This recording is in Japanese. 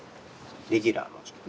レギュラーの状態。